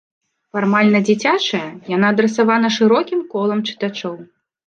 Фармальна дзіцячая, яна адрасавана шырокім колам чытачоў.